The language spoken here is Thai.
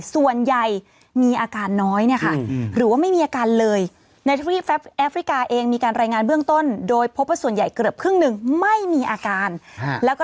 ส่วนใหญ่มีอาการน้อยเนี่ยค่ะ